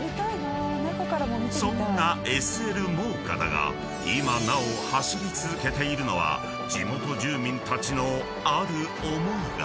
［そんなＳＬもおかだが今なお走り続けているのは地元住民たちのある思いが］